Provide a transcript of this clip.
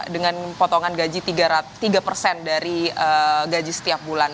dengan potongan gaji tiga persen dari gaji setiap bulan